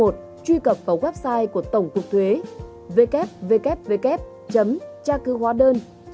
truy cập vào website của tổng cục thuế